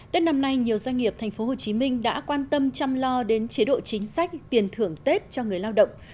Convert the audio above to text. tết năm nay nhiều doanh nghiệp tp hcm đã quan tâm chăm lo đến chế độ chính sách tiền thưởng tết cho người lao động